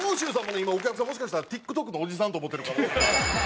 今お客さんもしかしたらＴｉｋＴｏｋのおじさんと思ってる方。